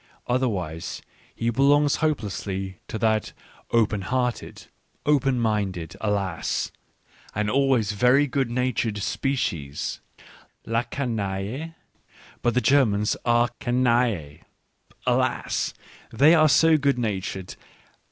Otherwise he be longs hopelessly to that open hearted, open minded — alas ! and always very good natured species, la canaille ! But the Germans are canaille — alas ! they are so good natured